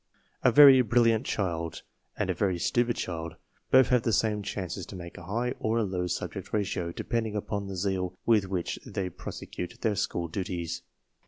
A very brilliant child and a very stupid child both have the same chance to make a high or a low Subject Ratio, dependent upon the zeal with which they prosecute their school duties.